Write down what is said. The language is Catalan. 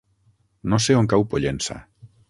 No sé on cau Pollença.